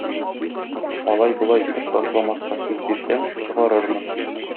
Алай-болай итеп ташламаска сүз бирсәң, чыгарырмын.